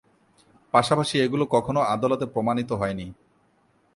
পাশাপাশি এগুলো কখনও আদালতে প্রমাণিত হয়নি।